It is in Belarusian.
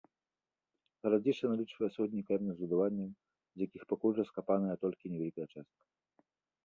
Гарадзішча налічвае сотні каменных збудаванняў, з якіх пакуль раскапаная толькі невялікая частка.